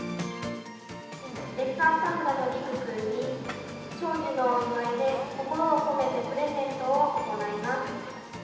レッサーパンダの陸くんに、長寿のお祝いで心を込めてプレゼントを行います。